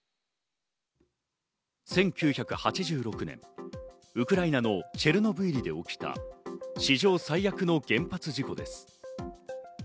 １９８６年、ウクライナのチェルノブイリで起きた史上最悪の原発事故です。